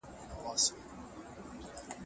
او تاریخي لیدلوري سره هم سمون نه لري.